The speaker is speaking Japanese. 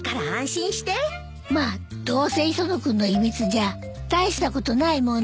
まあどうせ磯野君の秘密じゃ大したことないもんね。